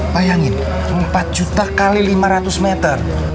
bayangin empat juta x lima ratus meter